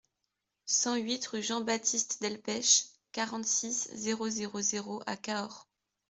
cent huit rue Jean Baptiste Delpech, quarante-six, zéro zéro zéro à Cahors